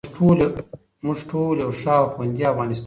موږ ټول یو ښه او خوندي افغانستان غواړو.